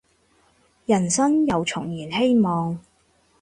人生又重燃希望